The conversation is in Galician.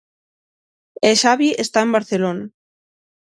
E Xavi está en Barcelona.